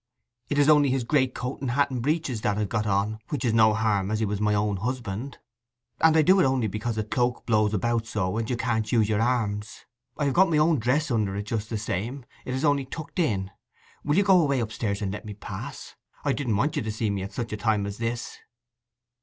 'It is only his greatcoat and hat and breeches that I've got on, which is no harm, as he was my own husband; and I do it only because a cloak blows about so, and you can't use your arms. I have got my own dress under just the same—it is only tucked in! Will you go away upstairs and let me pass? I didn't want you to see me at such a time as this!